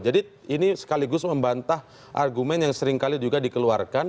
jadi ini sekaligus membantah argumen yang seringkali juga dikeluarkan